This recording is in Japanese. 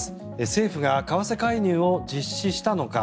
政府が為替介入を実施したのか。